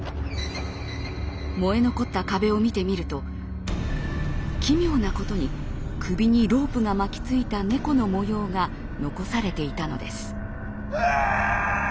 燃え残った壁を見てみると奇妙なことに首にロープが巻きついた猫の模様が残されていたのです。